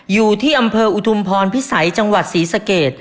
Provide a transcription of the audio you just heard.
อยู่ที่อำเภออุทุมพรพิสัยจังหวัดศรีสเกต